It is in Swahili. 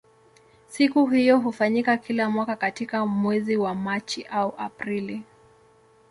Siku hiyo hufanyika kila mwaka katika mwezi wa Machi au Aprili.